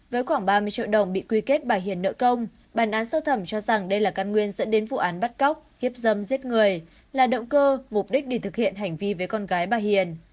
với khoảng ba mươi triệu đồng bị quy kết bà hiền nợ công bản án sơ thẩm cho rằng đây là căn nguyên dẫn đến vụ án bắt cóc hiếp dâm giết người là động cơ mục đích để thực hiện hành vi với con gái bà hiền